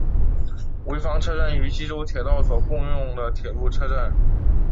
御坊车站与纪州铁道所共用的铁路车站。